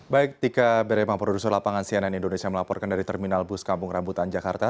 baik tika berema produser lapangan cnn indonesia melaporkan dari terminal bus kampung rambutan jakarta